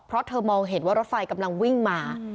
เพราะเธอมองเห็นว่ารถไฟกำลังวิ่งมา